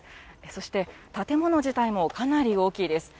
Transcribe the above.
そして建物自体もかなり大きいです。